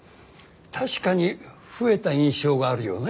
確かに増えた印象があるよね。